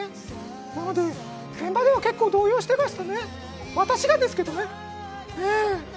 なので現場では結構動揺してましたけどね、私がですけどね、ええ。